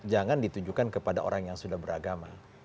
jangan ditujukan kepada orang yang sudah beragama